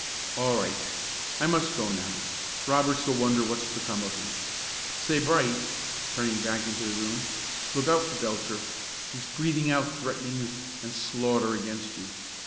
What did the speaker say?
"All right! I must go now; Roberts'll wonder what's become of me. Say, Bright," turning back into the room, "look out for Belcher! He's breathing out threatenings and slaughter against you.